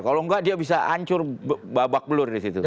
kalau enggak dia bisa hancur babak belur disitu